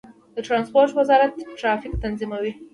د ترانسپورت وزارت ټرافیک تنظیموي